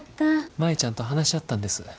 舞ちゃんと話し合ったんです。